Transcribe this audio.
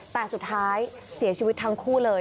แต่สุดท้ายเสียชีวิตทั้งคู่เลย